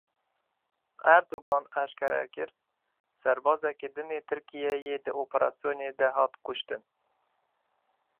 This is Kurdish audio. Erdogan eşkere kir; serbazekî din ê Tirkiyeyê di operasyonê de hat kuştin.